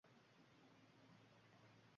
a bu ishimizga sabablarni ham o‘ylab topyapmiz...